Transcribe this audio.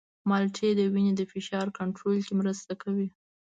مالټې د وینې د فشار کنټرول کې مرسته کوي.